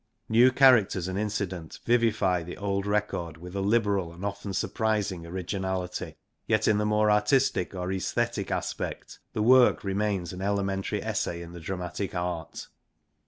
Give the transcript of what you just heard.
New characters and incident vivify the old record with a liberal and often surprising originality. Yet in the more artistic or esthetic aspect the work remains an elementary essay in the dramatic art.